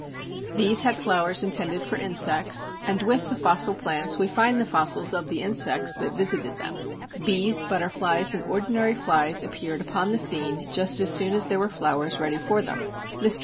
These had flowers intended for insects, and with the fossil plants we find the fossils of the insects that visited them. Bees, butterflies, and ordinary flies appeared upon the scene just as soon as there were flowers ready for them. Mr.